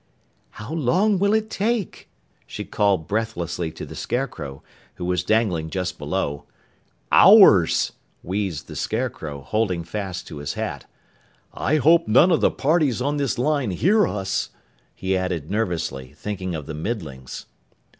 "How long will it take?" she called breathlessly to the Scarecrow, who was dangling just below. "Hours!" wheezed the Scarecrow, holding fast to his hat. "I hope none of the parties on this line hear us," he added nervously, thinking of the Middlings.